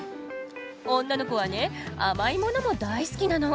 女の子はね甘いものも大好きなの。